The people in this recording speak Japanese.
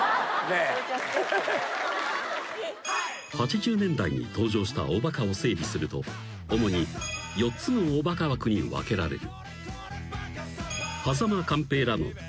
［８０年代に登場したおバカを整理すると主に４つのおバカ枠に分けられる］